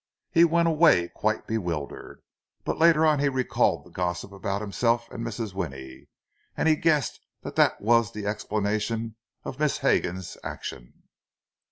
He went away quite bewildered. But later on he recalled the gossip about himself and Mrs. Winnie, and he guessed that that was the explanation of Miss Hegar's action.